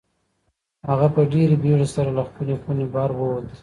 هغه په ډېرې بېړۍ سره له خپلې خونې بهر ووت.